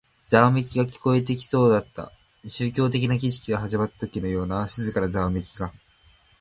ざわめきが聞こえてきそうだった。宗教的な儀式が始まったときのような静かなざわめきが。